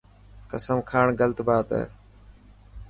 قسم کاڻ غلط بات هي.